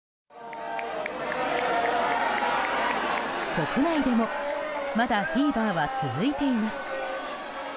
国内でもまだフィーバーは続いています。